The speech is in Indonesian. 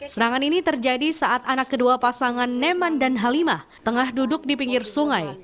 serangan ini terjadi saat anak kedua pasangan neman dan halimah tengah duduk di pinggir sungai